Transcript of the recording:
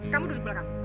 kamu duduk belakang